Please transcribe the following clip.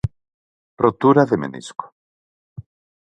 Rotura de menisco.